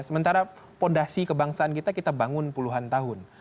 sementara fondasi kebangsaan kita kita bangun puluhan tahun